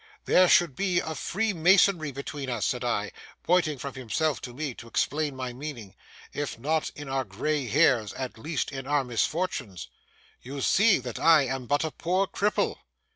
'There should be a freemasonry between us,' said I, pointing from himself to me to explain my meaning; 'if not in our gray hairs, at least in our misfortunes. You see that I am but a poor cripple.